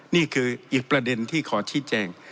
นี่คืออีกประเด็นที่ขอชี้แจง